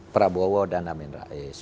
prabowo dan amin rais